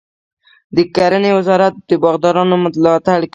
د کرنې وزارت د باغدارانو ملاتړ کوي.